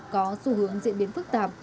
có xu hướng diễn biến phức tạp